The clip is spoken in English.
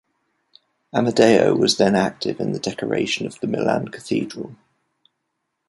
Amadeo was then active in the decoration of the Milan Cathedral.